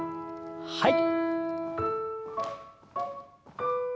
はい。